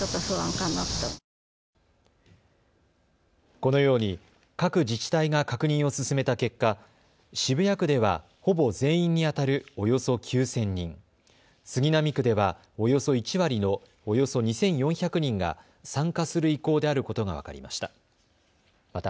このように各自治体が確認を進めた結果、渋谷区では、ほぼ全員にあたるおよそ９０００人、杉並区ではおよそ１割のおよそ２４００人が参加する意向であることが分かりました。